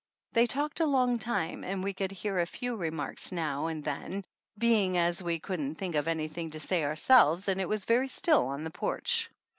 They talked a long time and we could hear a few remarks now and then, being as we couldn't think of anything to say ourselves, and it was very still on the porch.